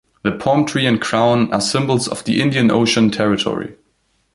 The palm tree and crown are symbols of the Indian Ocean Territory.